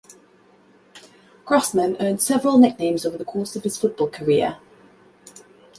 Grossman earned several nicknames over the course of his football career.